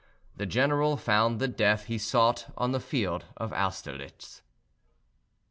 The general found the death he sought on the field of Austerlitz.